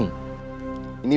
om cobain ya